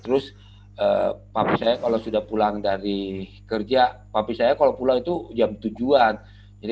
terus pampis saya kalau sudah pulang dari kerja pampis saya kalau pulang itu jam tujuh an jadi